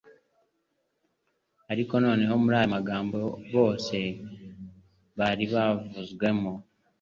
Ariko noneho muri ayo magambo bose bari bavuzwemo.